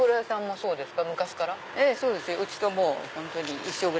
そうですね。